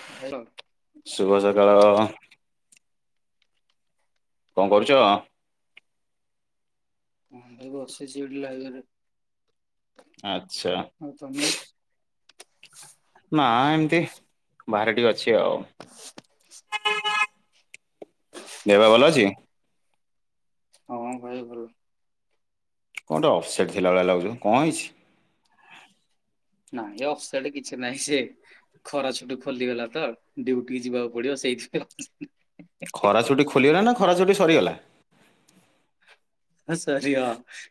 [unintelligible] ଶୁଭ ସକାଳ। କଁ କରୁଛ? ମୁ ବସିଛି ଏଠି ଲାଗାରେ ଆଛା ଆଉ ତମେ ନା ଏମତି। ବାହାରେ ଟିକେ ଅଛି ଆଉ, ଦେହ ପା ଭଲ ଅଛି? ହଁ ଭାଇ ଭଲ। କଣ ଗୋଟେ ଅଫସେଟ୍ ଥିଲାଭଳିଆ ଲାଗୁଛ କଣ ହେଇଛି? ନାଇଁ ଏ ଅଫସେଟ କିଛି ନାହିଁ ସେ ଖରା ଛୁଟୁ ଖୋଲିଗଲା ତ ଡ୍ୟଉଟିିକି ଯିବାକୁ ପଡିବ ସେଇଥିପାଇଁ। ଖରା ଛୁଟି ଖୋଲିଗଲା ନା ଖରାଛୁଟି ସରିଗଲା? ହେ ସରି ହ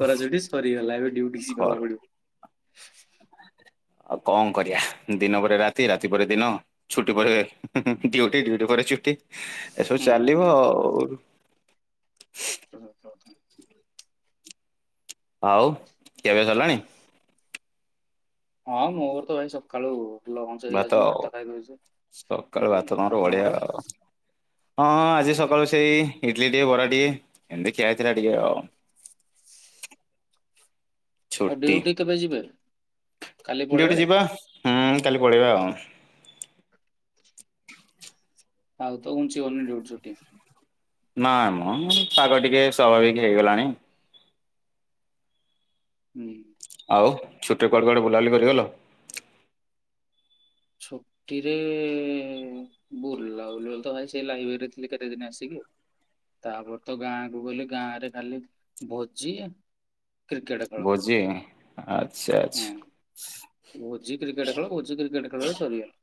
ଖରା ଛୁଟି ସରିଗଲା ଏବେ ଡିଉଟି ଖର ଯିବାକୁ ପଡିବ। ଆଉ କଣ କରିବା ଦିନ ପରେ ରାତି ରାତି ପରେ ଦିନ। ଛୁଟି ପରେ ଡ୍ୟୁଟି ଡ୍ୟୁଟି ପରେ ଛୁଟି। ଏସବୁ ହୁଁ। ଚାଲିବ ଆଉ। [unintelligible] ଆଉ କେବେ ସରିଲାଣି? ହଁ ମୋର ତ ଭାଇ ସକାଳୁ ଫୁଲ ଘଞ୍ଚ ହେଇଯାଉଚି ମୁଁ ଭାତ ଖାଇଦଉଚି ସକାଳୁ ଭାତ ହୁଁ ତମର ବଢିଆ ଆପଣଙ୍କର? ଆଉ ହଁ ଆଜି ସକାଳୁ ସେଇ ଇଡଲି ଟିକେ ବରାଟିକେ ଏମିତି ଖିଆହେଇଥିଲା ଟିକେ ଆଉ। [inaudible] ଆଉ ଛୁଟି ଡିଉଟି କେବେ ଯିବେ? କାଲି ଡିଉଟିି ପଳେଇବେ ଯିବା ହୁଁ କାଲି ପଳେଇବା ଆଉ। ଆଉ ତ ଘୁଂଚି ବନି ଡିଉଟି ଛୁଟି। ନା ମ ପାଗ ଟିକେ ସ୍ୱାଭାବିକ ହେଇଗଲାଣି। ହୁଁ। ଆଉ ଛୁଟି ପଡ଼ିଲ କୁଆଡେ ବୁଲାବୁଲି କରିବା ପାଇଁ ଗଲ? ଛୁଟିରେ ବୁଲା ବୁଲି ତ ଭାଇ ସେ ଲାଇବ୍ରେରୀ ଥିଲି କେଦିନ ଆସ କିି ଆଉ। ତାପରେ ତ ଗାଁ କୁ ଗଲେ ଗାଁ ରେ ଖାଲି ଭୋଜି କ୍ରିକେଟ ଖେଳ। [unintelligible] ଆଚ୍ଛା। ଆଚ୍ଛା। ହଁ ଓଜ୍ଜିି କ୍ରିକେଟ ଖେଳ ଓଜ୍ଜିି ଖେଳ ରେ ସରିଗଲା।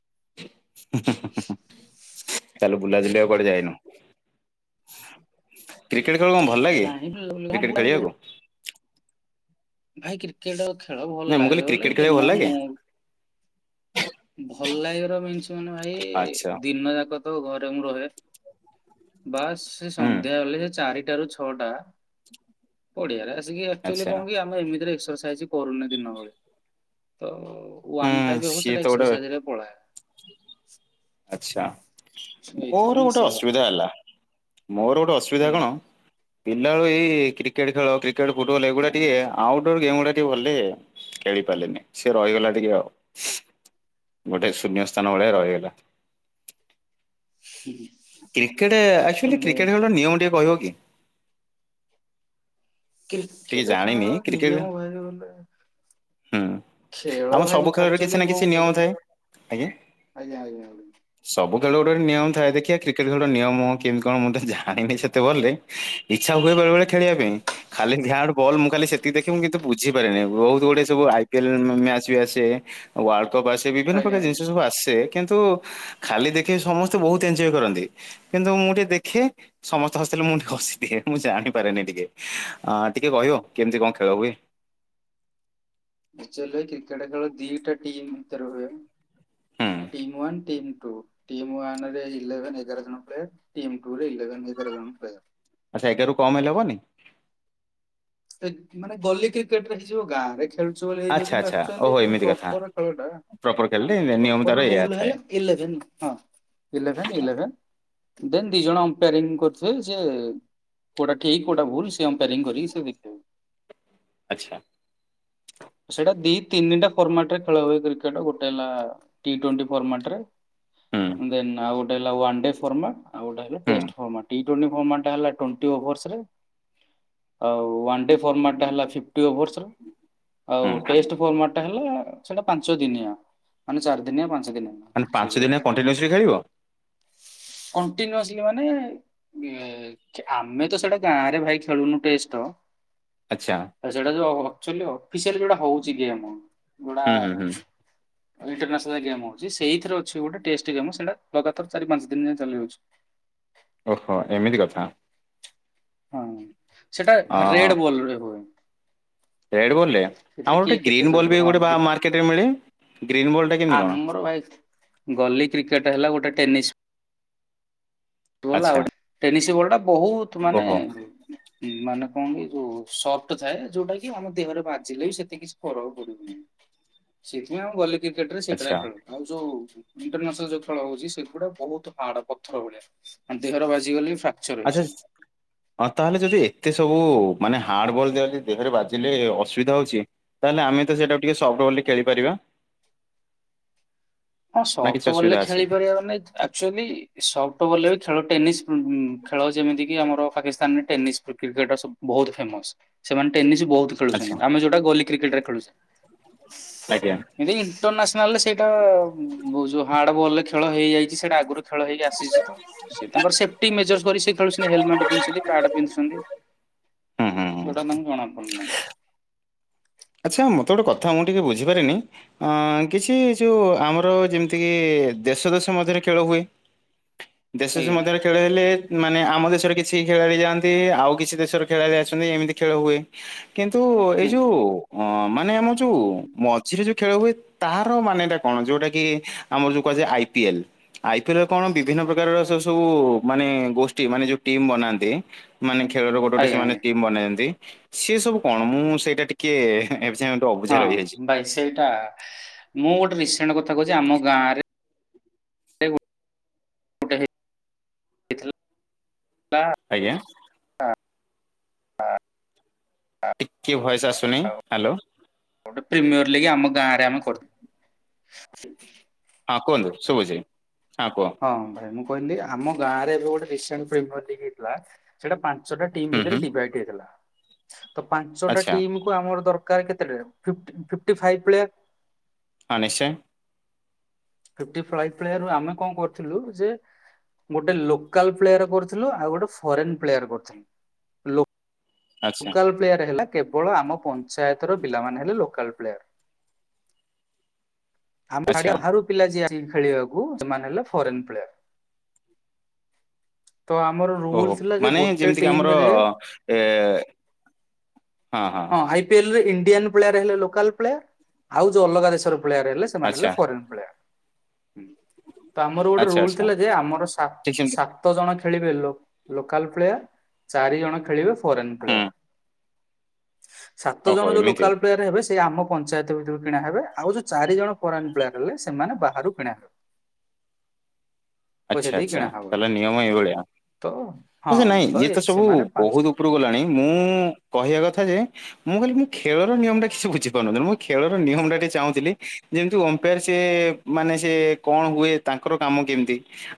[unintelligible] ତାହେଲ ବୁଲା କରିବାକୁ କୁଆଡେ ଯାଇନୁ। କ୍ରିକେଟ ଖେଳ କଣ ଭଲ ଲାଗେ ନାହିଁ ବୁଲାବୁଲି ହଁ କ୍ରିକେଟ ବୁଲାବୁଲି ଖେଳିବାକୁ? ଭାଇ କ୍ରିକେଟ ଆଉ ଖେଳ ନାଇଁ ଭଲ ମୁଁ କହିଲି ଲାଗେ କ୍ରିକେଟ ବୋଲେ ଖେଳିବାକୁ ଭଲ ଦିନ ଲାଗେ ମୁଡ୍ ଭଲ ଲାଗିବ ର ମିନ୍ସ ମାନେ ଭାଇ ଆଚ୍ଛା ଦିନ ଯାକ ତ ଘରେ ମୁ ରହେ ବାସ୍ ସେ ହୁଁ ସନ୍ଧ୍ୟା ହେଲେ ସେ ଚାରିଟାରୁ ଛଅଟା ପଡିଆରେ ଆସିକି ଆକ୍ଚୁଆଲି ଆଚ୍ଛା। କଣ କି ଆମେ ଏମିତିରେ ଏକ୍ସରସାଇଜ କରୁନି ଦିନ ବଳେ। ତ ହୁଁ ୱାନ୍ ଟା ବି ହବ ସିଏ ତ ସେଇଟା ଗୋଟେ ଏକ୍ସରସାଇଜ ରେ ପଳାଏ। ଆଚ୍ଛା। ଏଇଥିପାଇଁ ମୋର ଗୋଟେ ଆସିବା କଥା ଅସୁବିଧା ହେଲା ମୋର ଗୋଟେ ଅସୁବିଧା ଆଜ୍ଞା କଣ ପିଲାବେଳୁ ଏଇ କ୍ରିକେଟ ଖେଳ କ୍ରିକେଟ ଫୁଟବଲ୍ ଏଇଗୁଡା ଟିକେ ଆଉଟ୍ଡୋର୍ ଗେମ୍ ଗୁଡା ଟିକେ ଭଲ ଲାଗେ। ଖେଳି ପାରିଲନି ସେ ରହିଗଲା ଟିକେ ଆଉ ଗୋଟେ ଶୂନ୍ୟ ସ୍ଥାନ ଭଳିଆ ରହିଗଲା। ହୁଁ। କ୍ରିକେଟ ଆକ୍ଚୁଆଲି କ୍ରିକେଟ ଖେଳର ନିୟମ ଟିକେ କହିବ କି? ଟିକେ କ୍ରିକେଟ ଜାଣିନି ଛାଡ଼ କ୍ରିକେଟ ନିୟମ କହିଲୁ ଗୋଟେ ହୁଁ ଖେଳ ଆମ ଭାଇ ସବୁ ଖେଳରେ କିଛି ଆଚୁଆଲି ନା କଣ କିଛି ନିୟମ ଗୋଟେ ଥାଏ ଆଜ୍ଞା। ଆଜ୍ଞା ଆଜ୍ଞା ଆଜ୍ଞା। ସବୁ ଖେଳ ରେ ଗୋଟେ ନିୟମଥାଏ ଦେଖିବା କ୍ରିକେ ଗୋଟେ ନିୟମ କେମିତି କଣ ମୁଁ ତ ଜାଣିନି ସେତେ ବଲେ ଇଚଛା ହୁଏ ବେଳେବେଳେ ଖେଳିବା ପାଇଁ ଖାଲି ଯାହାର ବଲ୍ ମୁଁ ଖାଲି ସେତିକି ଦେଖିବି କିନ୍ତୁ ବୁଝିପାରିନି ବହୁତ ଗୁଡେ ସବୁ ଆଇ ପିଏଲ ମ୍ୟାଚ୍ ବି ଆସେ। ୱାର୍ଲଡ କପ୍ ଆସେ ବିଭିନ୍ନ ଆଜ୍ଞା ପ୍ରକାର ଜିନିଷ ସବୁ ଆସେ କିନ୍ତୁ ଖାଲି ଦେଖି ସମସ୍ତେ ବହୁତ ଏଞଜୟ କରନ୍ତି କିନ୍ତୁ ମୁଁ ଟିକେ ଦେଖେ ସମସ୍ତେ ହସିଦେଲେ ମୁଁ ଟିକେ ହସିଦିଏ ଦିଏ ମୁଁ ଜାଣିପାରେନି ଟିକେ। ହଁ ଟିକେ କହିବ କେମିତି କଣ ଖେଳ ହୁଏ? [unintelligible] କ୍ରିକେଟ ଖେଳ ଦିଟା ଟିମ୍ ଭିତରେ ହୁଏ। ହୁଁ team one team two. Team one ରେ ଇଲେଭେନ ଏଗାର ଜଣ ପ୍ଲେୟର ଟିମ୍ ଟୁ ରେ ଇଲେଭେନ ଏଗାରଜ ଜଣ ପ୍ଲେୟର। ଆଚ୍ଛା ଏଗାରରୁ କମ୍ ହେଲେ ହେବନି? ସେ ମାନେ ଗଲି କ୍ରିକେଟ ରେ ହେଇଯିବ ଗାଁରେ। ଖେଳୁଚ ଭ ହେଇଯିବ ଆଚ୍ଛା କିନ୍ତୁ ଆଚ୍ଛା ଆଚୁଆଲି ଓହୋ ଯୋଉ ଏମିତି କଥା ପ୍ରପର ଖେଳଟା ପ୍ରପର ହ ଖେଳିଲେ ନିୟମ ତାର ପ୍ରପର ଏଇଆ ରୁଲ ଥାଏ ହେଲା ଇଲେଭେନ୍ ହଁ ଇଲେଭେନ୍ ଇଲେଭେନ୍। ଦେନ ଦିଜଣ ଅମ୍ପାରିଂ କରୁଥିବେ ସେ କୋଉଟା ଠିକ୍ କୋଉଟା ଭୁଲ ସେ ଅମ୍ପାର କରି ସେ ଦେଖିବେ। ଆଚ୍ଛା। ସେଇଟା ଦି ତିନିଟା ଫର୍ମାଟ ରେ ଖେଳ ହୁଏ କ୍ରିକେଟ ଗୋଟେ ହେଲା ଟି ଟୋଣ୍ଟି ଫର୍ମାଟରେ ହୁଁ ଦେନ୍ ଆଉ ୱାନ ଡେ ଫର୍ମାଟ, ଆଉ ଗୋଟେ ହୁଁ ଟେଷ୍ଟ ଫର୍ମାଟ। ଟି ଟୋଣ୍ଟି ଫର୍ମାଟରେ ହେଲା ଟୋଣ୍ଟି ଓଭରସରେ ଆଉ ୱାନ୍ ଡେ ଫର୍ମାଟ୍ଟା ହେଲା ଫିଫ୍ଟି ଓଭର୍ସ ରେ। ଆଉ ହୁଁ ଟେଷ୍ଟ ଫର୍ମାଟ ହେଲା ସେଟା ପାଞ୍ଚ ଦିନିଆ ମାନେ ଚାରି ଦିନିଆ ପାଞ୍ଚ ଦିନିଆ। ମାନେ ପାଞ୍ଚ ସେ ଯଉ ଦିନିଆ ଖେଳ କଣ୍ଟିନ୍ୟୁସଲି [unintelligible] [inaudible] [unintelligible] କଣ୍ଟିନ୍ୟୁସଲି ମାନେ [inaudible] ଆମେ ତ ସେଟା ଗାଁ ରେ ଭାଇ ଖେଳୁନୁ ଟେଷ୍ଟ ଆଚ୍ଛା। ସେଇଟା ଯୋଉଚୁ ଆକଚୁଆଲ ଅଫିସିଆ ଯୋଉଟା ହଉଛି ଗେମ ଯୋଉଟା ହୁଁ ହୁଁ ହୁଁ ଇଣ୍ଟରନେସାନଲ ଗେମ ହଉଛି। ସେଇଥିରେ ଅଛି ଗୋଟେ ଟେଷ୍ଟ ଗେମ୍ ସେଇଟା ଲଗାତାର ଚାରି ପାଞ୍ଚ ଦିନ ଯାଁ ଚାଲିଯାଉଛି। ଓହୋ! ଏମିତି କଥା। ହଁ, ସେଟା ରେଡ ବଲରେ ହୁଏ। ରେଡ଼୍ ବଲରେ ସେଥିରେ ଆଉ ଗୋଟେ କିଏ କେତେ ଗ୍ରୀନ୍ ବଲ୍ ଜଗିବ ବି ହଁ ଗୋଟେ ବା ଦି ମାର୍କେଟରେ ମିଳେ। ଗ୍ରୀନ୍ ବଲ୍ ଟା କେମିତି କଣ? ମୋର ଭାଇ ଭଳି କ୍ରିକେଟ୍ ହେଲା, ଗୋଟେ ଟେନିସ୍ ଗଲା ଆଚ୍ଛା ଗୋଟ ଟେନିସ ବଲ ଟା ବହୁତ ମାନେ ଓହୋ ମାନେ କଣ କି ଯୋଉ ସଫ୍ଟ ଥାଏ ଯୋଉଟା କି ଆମ ଦେହରେ ବାଜିଲେ ବି ସେତେ କିଛି ଫରକ୍ ପଡିବନି। ସେଥିପାଇଁ ଆଉ ଗଲି କ୍ରିକେଟ ରେ ସେଇଟାରେ ଆଚ୍ଛା ଖେଳ ଆଉ ଯୋଉ ଇଣ୍ଟରନ୍ୟାସନାଲ ଯୋଉ ଖେଳ ହଉଛି ସେଗୁଡା ବହୁ ହାର୍ଡ ପଥର ଭଳିଆ। ଆଉ ଦେହର ବାଜିଗଲି ଫା ଆଛା [unintelligible] ହଁ ତାହେଲେ ଯଦି ଏତେ ସବୁ ମାନେ ହାର୍ଡ ବଲ୍ ଦିି ଦେହରେ ବାଜିଲେ ଅସୁବିଧା ହଉଛି ତାହେଲେ ଆମେ ତ ସେଇଟାକୁ ଟିକେ ସଫ୍ଟବଲରେ ଖେଳିପାରିବା। ହଁ, ନା କିଛି ସଫ୍ଟବଲରେ ଅସୁବିଧା ଅଛି ଖେଳି ପାରିବାର ନାଇକି ଆଚୁଆଲି ସଫ୍ଟବଲ ବି ଖେଳ ଟେନିସ୍ ବ ଖେଳ ଯେମିତି କିି ଆମର ପାକିସ୍ତାନରେ ଟେନିସ୍ କ୍ରିକେଟ ସବ ବହୁ ଫେମସ। ସେମାନେ ଟେନିସ ବହୁତ ଆଚ୍ଛା ଖେଳୁଛନ୍ତି ଆମେ ଯୋଉଟା ଭଲି କ୍ରିକେଟ ରେ ଖେଲୁଛେ। ଆଜ୍ଞା। ଏମତି ଇଣ୍ଟରନାସନାଲ ରେ ସେଇଟା ବଉ ଯୋଉ ହାର୍ଡ ବଲ ଖେଳ ହେଇଯାଇଛି। ସେଇଟା ଆଗରୁ ଖେଳ ହେଇକି ଆସିଛି ତ ସେ ତାଙ୍କର ସେଫଟି ମେଜର କରି ସେ ଖେଳୁଛନ୍ତି ହେଲମେଟ ପିନ୍ଧୁଛନ୍ତି, ପ୍ୟାଡ ପିନ୍ଧୁଛନ୍ତି, ହୁଁ ହୁଁ ହୁଁ ଯୋଉଟା ନ ଜଣା ପଡୁନାହିଁ। ଆଚ୍ଛା, ମୋତେ ଗୋଟେ କଥା କହିଲ ମୁଁ ବୁଝିପାରିଲିନି ଅ କିଛି ଯୋଉ ଆମର ଯେମିତି କିି ଦେଶ ଦେଶ ମଧ୍ୟରେ ଖେଳ ହୁଏ ଦେଶ ହୁଁ ଦେଶ ମଧ୍ୟରେ ଖେଳ ହେଲେ ମାନେ ଆମ ଦେଶର କିଛି ଖେଳାଳି ଯାଆନ୍ତି ଆଉ କିଛି ଦେଶର ଖେଳାଳି ଆସନ୍ତି ଏମିତି ଖେଳ ହୁଏ। କିନ୍ତୁ ଏଇ ଯୋଉ ଅ ମାନେ ଆମ ଯୋଉ ମଝିରେ ଯୋ ଖେଳ ହୁଏ ତାର ମାନେ ଟା କଣ ଯୋଉଟା କି ଆମର ଯୋଉ କୁହାଯାଏ ଆଇ ପିଏଲ ଆଇ ପିଏଲରେ କଣ ବିଭିନ୍ନ ପ୍ରକାର ସ ସବୁ ମାନେ ଗୋଷ୍ଠୀ ମାନେ ଯୋଉ ଟିମ୍ ବନାନ୍ତି ମାନେ ଖେଳର ଗୋଟେ ଗୋଟେ ଆଜ୍ଞା ସେମାନେ ଆଜ୍ଞା ଟିମ୍ ବନେଇନ୍ତି, ସି ସବୁ କଣ ମୁଁ ସେଇଟା ଟିକେ ଏବେ ଯାଏ ଗୋଟେ ଅବୁଝା ହଁ ରହିଯାଇଛି। ଭାଇ ସେଇଟା ମୁଁ ଗୋଟେ ରିସେଣ୍ଟ କଥା କହୁଛି ଆମ ଗାଁରେ ଏଥିଲ ଲା ଆଜ୍ଞା। ହା ଟିକିଏ ଭଏସ୍ ଆସୁନି। ହ୍ୟାଲୋ। ଗୋଟେ ପ୍ରିମିୟର ଲାଗି ଆମ ଗାଁ ଆଡ଼େ ଆମେ କରି ହଁ କୁହନ୍ତୁ ଶୁଭୁଚି ହଁ କୁହ। ହଁ ଭାଇ ମୁଁ କହିଲି ଆମ ଗାଁରେ ଏବେ ଗୋଟେ ରସେଣ୍ଟ ଫିଲ୍ମ ହେଇଥିଲା ସେଟା ପା ପାଞ୍ଚଟା ଟିମ୍ ହୁଁ ଭିତରେ ହୁଁ ଡିଭାଇଡ୍ ହେଇଥିଲା ତ ପାଞ୍ଚଟା ଆଚ୍ଛା। ଟିମ୍ କୁ ଆମର ଦରକାର କେତେରେ ଫି ଫିପ୍ଟି ଫାଇପ୍ ଭଳିଆ ହଁ ନିଶ୍ଚୟ। ଫିପ୍ଟି ଫାଇପ୍ ପ୍ଲେୟାରୁ ଆମେ କଣ କରୁଥିଲୁ ଯେ ଗୋଟେ ଲୋକାଲ ପ୍ଲେୟାର କରୁଥିଲୁ ଆଉ ଗୋଟେ ଫରେନ୍ ପ୍ଲେୟାର କରୁଥିଲୁ। ଆଚ୍ଛା। ଲୋକାଲ ପ୍ଲେୟାର ହେଲା କେବଳ ଆମ ପଞ୍ଚାୟତର ପିଲାମାନେ ହେଲେ ଲୋକାଲ୍ ପ୍ଲେୟାର। ଆମକୁ ଆଚ୍ଛା ଛାଡ଼ିବାକୁ ବାହାରୁ ପିଲା ଯିଏ ଆଣିବେ ଖେଳିବାକୁ ସେମାନେ ହେଲେ ଫରେନ୍ ପ୍ଲେୟାର। ତ ଆମର ଓହୋ ରୁଲ୍ସ୍ ଥିଲା ଯେ ମାନେ ଗୋଟେ ଯେମିତିକି ଆମର ଟିମ୍ ରେ ଏ [inaudible] ହଁ ହଁ। ଆଇ ପିଏଲ୍ ରେ ଇଣ୍ଡିଆନ୍ ପ୍ଳେୟାର ହେଲେ ଲୋକାଲ ପ୍ଳେୟାର ଆଉ ଯୋଉ ଅଲଗା ଦେଶର ପ୍ଲେୟାର ହେଲେ ସେ ସେମାନେ ହେଲେ ଆଚ୍ଛା ଫରେନ୍ ପ୍ଳେୟାର। ହୁଁ ତ ଆମର ଗୋଟେ ଆଚ୍ଛା ରୁଲ୍ ଆଚ୍ଛା ଥିଲା ଯେ ଆମର ସା ଠିକ ସେମିତି ସା ସାତ ଜଣ ଖେଳିବେ ଲୋ ଲୋକାଲ ପ୍ଲେୟାର। ଚାରି ଜଣ ଖେଳିବେ ଫରେନ୍ ହୁଁ ପ୍ଲେୟାର। ସାତ ଓହୋ ଜଣ ଯୋଉ ଏମିତି ଲୋକାଲ ପ୍ଲେୟାର ହେବେ ସେ ଆମ ପଞ୍ଚାୟତ ଭିତରୁ କିଣା ହେବେ ଆଉ ଯୋଉ ଚାରି ଜଣ ଫୋରେନ୍ ପ୍ଲେୟାର ହେଲେ ସେମାନେ ବାହାରୁ କିଣା ହେବେ। [inaudible] ପଇସା ଆଚ୍ଛା ଦେଇ ଆ୍ଛା କିଣା ହବ ତାହଲେ ନିୟମ ଏଇ ଭଳିଆ ତ ହଁ ହଯେ ନାଇଁ ଇଏ ଏ ତ ସବୁ ସେମାନେ ପାଞ୍ଚ ବହୁତ ଉପ ଟୁ ଗଲାଣି ମୁଁ କହିବା କଥା ଯେ ମୁଁ କହିଲି ମୁଁ ଖେଳର ନିୟମ ଟା କିଛି ବୁଝିପାରୁନଥିଲି ମୁଁ ଖେଳର ନିୟମ ଟା ଟିକେ ଚାହୁଁଥିଲି ଯେମିତି ଓମ୍ପାର ସେ ମାନେ ସେ କଣ ହୁଏ ତାଙ୍କର କାମ କେମିତି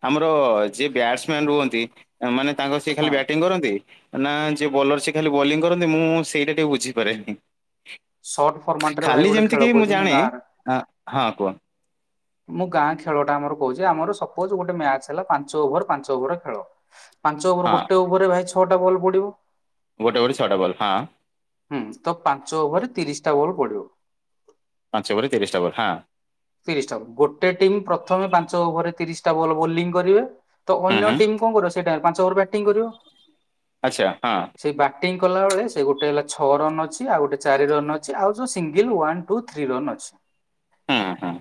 ଆମର ଯିଏ ବ୍ୟାଟସମ୍ୟାନ ରୁହନ୍ତି ମାନେ ତାଙ୍କର ସେ ଖାଲି ହଁ ବ୍ୟାଟିଂ କରନ୍ତି। ନା ଯେ ବୋଲର ସେ ଖାଲି ବୋଲିଂ କରନ୍ତି ମୁଁ ସେଇଟା ଟିକେ ବୁଝିପାରେନି ସର୍ଟ ହୁଁ। ଫର୍ମାଟ ରେ ଭାଇ ଖାଲି ଗୋଟେ ଯେମିତି ଖେଳ କିି ମୁଁ କହୁଛି ଜାଣେ ଗାଁରେ ଅ ହଁ କୁହ। ମୁଁ ଗାଁ ଖେଳଟା ଆମର କହୁଛି ଆମର ସପୋଜ ଗୋଟେ ମ୍ୟାଚ ହେଲା ପାଞ୍ଚ ଓଭର ପାଞ୍ଚ ଓଭର ଖେଳ ପାଞ୍ଚ ଓଭର ହଁ ଗୋଟେ ଓଭରରେ ଭାଇ ଛଅଟା ବଲ୍ ପଡ଼ିବ ଗୋଟେ ଗୋଟେ ଛଟା ବଲ୍ ହଁ। ହୁଁ ତ ପାଞ୍ଚ ଓଭରେ ତିରିଶି ଟା ବୋଲ୍ ପଡ଼ିବ। ପାଞ୍ଚୋ ଓଭରେ ତିରିଶି ଟା ବଲ୍ ହଁ। ତିରିଶି ଟା ବୋଲ୍ ଗୋଟେ ଟିମ୍ ପ୍ରଥମେ ପାଞ୍ଚ ଓଭରରେ ତିରିଶ ଟା ବୋଲ୍ ବୋଲିଂ କରିବେ। ତ ହୁଁ ଅନ୍ୟ ହୁଁ ଟିମ୍ କଣ କରିବ ସେଇଟା ପାଞ୍ଚ ଓଭର ବ୍ୟାଟିଂ କରିବ। ଆଚ୍ଛା ହଁ। ସେଇ ବ୍ୟାଟିଂ କଲାବେଳେ ସେ ଗୋଟେ ହେଲା ଛଅ ରନ୍ ଅଛି ଆଉ ଗୋଟେ ଚାରି ରନ୍ ଅଛି ଆଉ ଯୋଉ single one two three run ଅଛି। ହୁଁ ହୁଁ।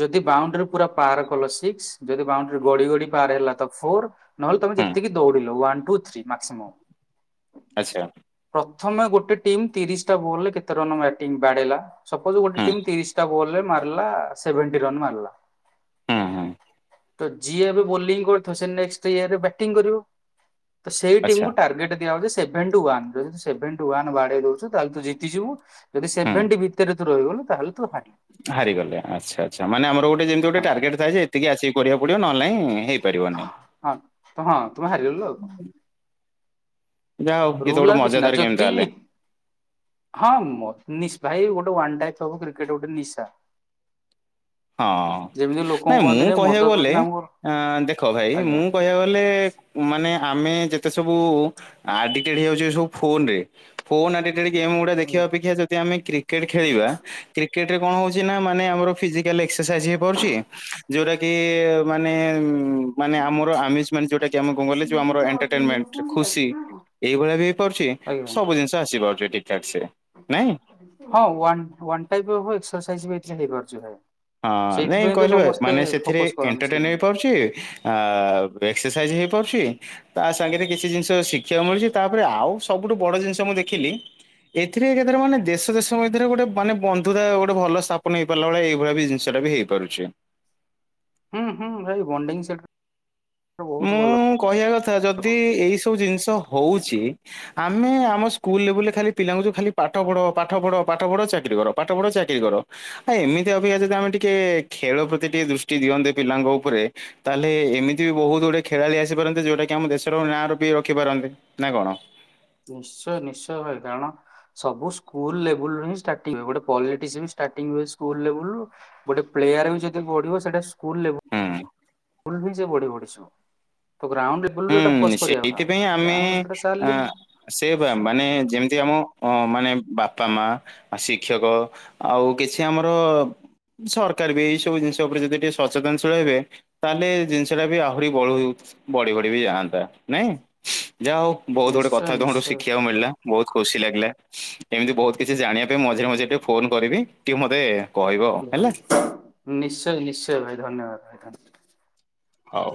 ଯଦି ବାଉଣ୍ଡରି ପୁରା ପାର କଲ ସିକ୍ସ ଯଦି ବାଉଣ୍ଡରି ଗଡ଼ି ଗଡ଼ି ପାର ହେଲା ତ ଫୋର ନହେଲେ ତମେ ହୁଁ ଯେତିକି ଦୌଡିଲ ୱା ଟୁ ଥ୍ରୀ ମାକ୍ସିମମ୍ [inaudible] ଆଚ୍ଛା। ପ୍ରଥମେ ଗୋଟେ ଟିମ୍ ତିରିଶି ଟା ବୋଲରେ କେତେ ରନ୍ ବ୍ୟାଟିଂ ବାଡେ଼ଇଲା ସପୋଜ ଗୋଟେ ହୁଁ ଟିମ୍ ତିରିଶି ଟା ବଲ୍ ରେ ମାରିଲା ସେଭେନ୍ ଟି ରନ୍ ମାରିଲା ହୁଁ ହୁଁ। ତ ଯିଏ ଏବେ ବୋଲିଂ କରୁଥିବ ସେ ନେଟ୍ସେ ଇୟରେ ବ୍ୟାଟିଂ କରିବ। ତ ସେଇ ଟିମ୍ ଆଚ୍ଛା କୁ ଟାର୍ଗେଟ ଦିଆ ହଉଚି ସେଭେନ୍ ଟୁ ୱାନ୍ ଯଦି ତୁ ସେଭେନ୍ ଟୁ ୱାନ୍ ବାଡ଼େଇ ଦଉଚ ତାହେଲେ ତୁ ଜତିଯିବୁ ଯଦି ହୁଁ ସେଭେନଟି ଭିତରେ ତୁ ରହିଗଲୁ ତାହେଲେ ତୁ ହାରିିବୁ ହାରିଗଲେ ଆଚ୍ଛା ଆଚ୍ଛା। ମାନେ ଆମର ଗୋଟେ ଯେମିତି ଗୋଟେ ଟାର୍ଗେଟ ଥାଏ ଯେ ଏତିକି ଆସିିକି କରିବାକୁ ପଡିବ ନହେଲେ ନାଇଁ ପାରିବନି। ହଁ ତ ହଁ ତୁମେ ହାରିଗଲ ଆଉ। ଯାହା ହଉ ଇଏ ତ ରୁଲ ଗୋଟେ ଆଉ କିଛି ମଜାଦାର ନାଇ ଗେମ୍ ଯଦି ତାହେଲେ ହଁ ଭାଇ ଗୋଟେ ୱାନ ଟାଇପ ହବ କ୍ରିକେଟ ଗୋଟେ ନିଶା। ହଁ। ଯେମିତି ଲୋକଙ୍କୁ ନାଇଁ ମୁଁ କୁହନ୍ତିନି ମଦ କହିବାକୁ ଗଲେ ପିଉଛନ୍ତି ଆମକୁ ଆ ଦେଖ ଭାଇ ମୁଁ କହିବାକୁ ଗଲେ ମାନେ ଆମେ ଯେତେ ସବୁ ଆଡିଟେଡ ହେଇଯାଉଛେ ସବୁ ଫୋନରେ ଫୋନ ଦେଖିବା ଅପେକ୍ଷା ଯଦି ଆମେ କ୍ରିକ୍ରେଟ ଖେଳିବା କ୍ରିକ୍ରେଟରେ କଣ ହଉଛି ନା ମାନେ ଆମର ଫିଜି କାଲ ଏକ୍ସରସାଇଜ ହୋଇ ପାରୁଛି। ଯୋଉଟା କି ମାନେ ମାନେ ଆଜ୍ଞା ଆମର ଆମ ସିଏ ଏଣ୍ଟର୍ଟେନ୍ମେଣ୍ଟରେ ଖୁସି ଆଜ୍ଞା ଏଇଭଳିଆ ବି ହେଇପାରୁଛି ସବୁ ଜିନିଷ ଆସି ପାରୁଛି ଠିକ ଠାକ ସେ ନାଇଁ। ହଁ one one type of exercise ବି ଏଥିରେ ହୋଇପାରୁଛି ଭାଇ। ହଁ ନାଇଁ ସେଇଥିପାଇଁ ତ କହିଲେ ସମସ୍ତେ ମାନେ ସେଥିରେ ଫୋକସ୍ କରନ୍ତି ସେଇ ଏଣ୍ଟରଟେନ ହୁଁ ହେଇପାରୁଛି। ଏକ୍ସରସାଇଜ ହେଇପାରୁଛି ତା ସାଙ୍ଗରେ କିଛି ଜିନିଷ ଶିଖିବାକୁ ମିଳୁଛି। ତାପରେ ଆଉ ସବୁଠୁ ବଡ ଜିନିଷ ମୁଁ ଦେଖିଲି ଏଥିରେ ଏକାଥର ମାନେ ଦେଶ ଦେଶ ମଧ୍ୟରେ ଗୋଟେ ମାନେ ବନ୍ଧୁତା ଗୋଟେ ଭଲ ସ୍ଥାପନ ହେଇପାରିଲା ଭଳିଆ ଏ ଭଳିଆ ବି ଜିନିଷଟା ବି ହେଇପାରୁଛି। ହୁଁ ହୁଁ ଭାଇ ବଡିଂ ସେଟା। ମୁଁ କହିବା କଥା ଯଦି ରହୁଛି ଏଇ ସବୁ ଜିନିଷ ହଉଛି ଆମେ ଆମ ସ୍କୁଲ ଲେବୁଲରେ ଖାଲି ପିଲାଙ୍କୁ ଯୋଉ ଖାଲି ପାଠ ପଢ ପାଠ ପଢ ପାଠ ପଢ ଚାକିରୀ କର ପାଠ ପଢ ଚାକିରୀ କର। ଆ ଏମିତି ଅପେକ୍ଷା ଯଦି ଆମେ ଟିକେ ଖେଳ ପ୍ରତି ଟିକେ ଦୃଷ୍ଟି ଦିଅନ୍ତେ ପିଲାଙ୍କ ଉପରେ ତାହେଲେ ଏମିତି ବି ବହୁତ ଗୁଡିଏ ଖେଳାଳି ଆସିପାରନ୍ତେ, ଯୋଉଟା କି ଆମ ଦେଶର ନାଁ ବି ରଖିପାରନ୍ତେ ନା କଣ। ନିଶ୍ଚୟ ନିଶ୍ଚୟ ଭାଇ କାରଣ ସବୁ ସ୍କୁଲ ଲେବୁଲ ହିଁ ଷ୍ଟାର୍ଟିଂ ହୁଏ। ଗୋଟେ ପଲିଟିସିଆନ ବି ଷ୍ଟାର୍ଟି ହୁଏ ସ୍କୁଲ ଲେବୁଲରୁ। ଗୋଟେ ପ୍ଲେୟାର ବି ଯଦି ବଢିବ ସେଟା ସ୍କୁଲ ଲେ ହୁଁ। [unintelligible] ସେ ବଢି ବଢି ଯିବ। ତ ଗ୍ରାଉଣ୍ଡ ହୁଁ [unintelligible] କରିବା ଆମର ସେଇଟା ଚାଲିନି। ସେବା ମାନେ ଯେମିତି ଆମ ଅ ମାନେ ବାପା ମା ଆ ଶିକ୍ଷକ ଆଉ କିଛି ଆମର ସରକାର ବି ଏଇ ସବୁ ଜିନିଷ ଉପରେ ଯଦି ଟିକେ ସଚେତନଶୀଳ ହେବେ ତାହେଲେ ଜିନିଷଟା ବି ଆହୁରି ବ ବଢିବ। ବି ଯାଆନ୍ତା ନାଇଁ ଯାହା ହଉ ବହୁତ ଗୁଡେ ନିଶ୍ଚୟ କଥା ତମଠୁ ନିଶ୍ଚୟ ଶିଖିବାକୁ ମିଳିଲା। ବହୁତ ଖୁସି ଲାଗିଲା। ଏମିତି ବହୁତ କିଛି ଜାଣିବା ପାଇଁ ମଝିରେ ମଝିରେ ଟିକେ ଫୋନ କରିବି ଟିକେ ମୋତେ ନିଶ୍ଚୟ ନିଶ୍ଚୟ ଭାଇ ଧନ୍ୟବାଦ ଭାଇ ଧନ୍ୟବାଦ। ହଉ।